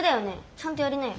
ちゃんとやりなよ。